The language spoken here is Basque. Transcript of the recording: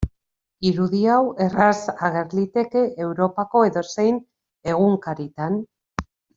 Irudi hau erraz ager liteke Europako edozein egunkaritan.